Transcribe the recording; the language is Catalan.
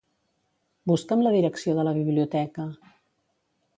Busca'm la direcció de la biblioteca.